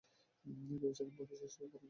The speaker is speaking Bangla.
ভেবেছিলাম পরিশেষে কারণটা ও বুঝতে পারবে।